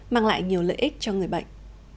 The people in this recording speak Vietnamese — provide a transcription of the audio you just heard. mang lại nhiều lợi ích cho người bệnh